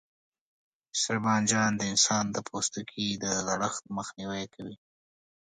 سره بانجان د انسان د پوستکي د زړښت مخنیوی کوي.